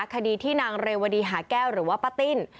คดีที่นางเรวดีหาแก้วหรือว่าป้าติ้น